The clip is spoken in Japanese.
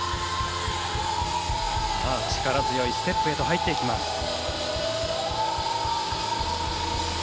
力強いステップへと入っていきます。